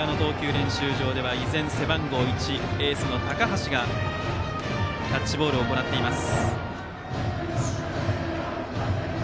練習場では依然、背番号１でエースの高橋がキャッチボールを行っています。